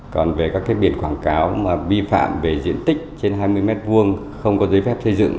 còn về các biển quảng cáo vi phạm về diện tích trên hai mươi m hai không có giới phép xây dựng